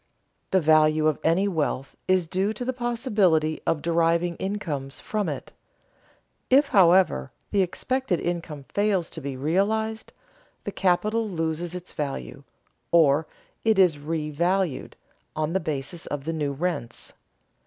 The value of any wealth is due to the possibility of deriving incomes from it. If, however, the expected income fails to be realized, the capital loses its value, or it is revalued on the basis of the new rents.